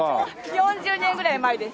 ４０年ぐらい前です。